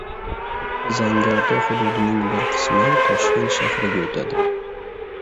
Zangiota hududining bir qismi Toshkent shahriga o‘tadi